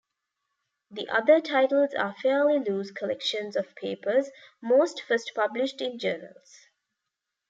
The other titles are fairly loose collections of papers, most first published in journals.